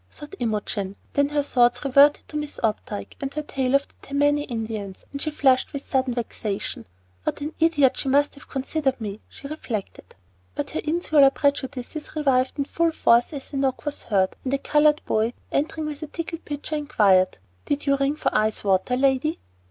thought Imogen. Then her thoughts reverted to Miss Opdyke and her tale of the Tammany Indians, and she flushed with sudden vexation. "What an idiot she must have considered me!" she reflected. But her insular prejudices revived in full force as a knock was heard, and a colored boy, entering with a tinkling pitcher, inquired, "Did you ring for ice water, lady?"